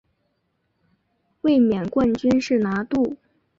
卫冕冠军是拿度。